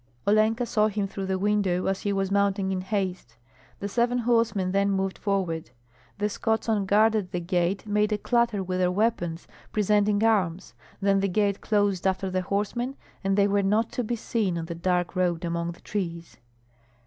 Olenka saw him through the window as he was mounting in haste; the seven horsemen then moved forward. The Scots on guard at the gate made a clatter with their weapons, presenting arms; then the gate closed after the horsemen, and they were not to be seen on the dark road among the trees.